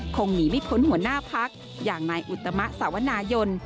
คงหนีไม่พ้นหัวหน้าพักอย่างนายอุตมะสาวนายน